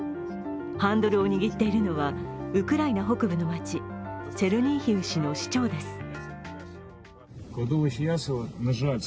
ハンドルを握っているのはウクライナ北部の街チェルニーヒウ市の市長です。